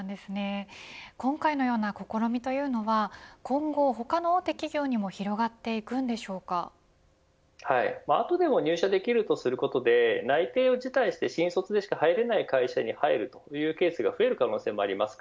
今回のような試みというのは今後、他の大手企業にも後でも入社できるとすることで内定を辞退して新卒でしか入れない会社に入るというケースが増える可能性もあります。